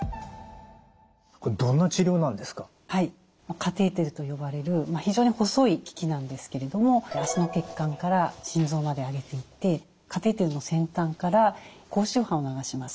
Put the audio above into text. カテーテルと呼ばれる非常に細い機器なんですけれども脚の血管から心臓まで上げていってカテーテルの先端から高周波を流します。